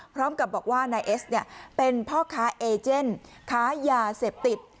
พร้อมกับบอกว่านายเอสเป็นพ่อค้าเอเจนค้ายาเสพติด